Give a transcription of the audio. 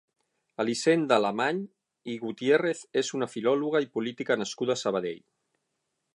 Elisenda Alamany i Gutiérrez és una filòloga i política nascuda a Sabadell.